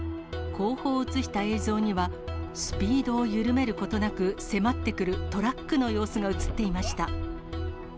後方を写した映像には、スピードを緩めることなく、迫ってくるトラックの様子が写っていました。